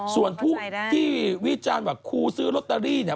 ส่วนที่วิจารณ์ว่าครูซื้อลอตเตอรี่เนี่ย